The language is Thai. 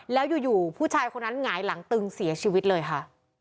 แล้วอยู่ผู้ชายคนนั้นหงายหลังตึงเสียชีวิตเลยค่ะ